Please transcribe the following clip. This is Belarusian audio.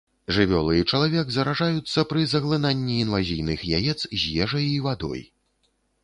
Жывёлы і чалавек заражаюцца пры заглынанні інвазійных яец з ежай і вадой.